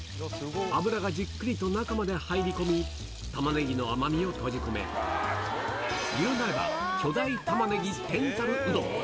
油がじっくりと中まで入り込み、タマネギの甘みを閉じ込め、いうなれば巨大タマネギ天ざるうどん。